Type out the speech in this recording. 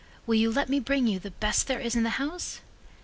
Will you let me bring you the best there is in the house?"